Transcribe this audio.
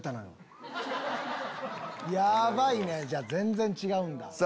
ヤバいねじゃあ全然違うんだ。